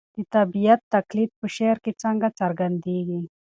د طبیعت تقلید په شعر کې څنګه څرګندېږي؟